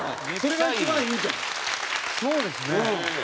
そうですね。